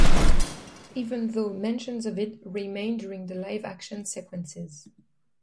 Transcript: Even though mentions of it remain during the live-action sequences.